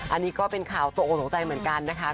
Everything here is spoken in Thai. อันนี้ก็เป็นข่าวโตโกงสงสัยเหมือนกันนะคะ